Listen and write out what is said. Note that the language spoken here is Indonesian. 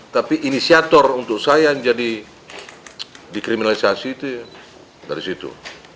tapi inisiator untuk saya yang jadi dikriminalisasi itu dari situ